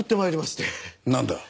なんだ？